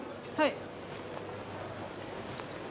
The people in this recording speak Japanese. はい。